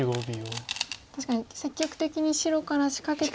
確かに積極的に白から仕掛けて。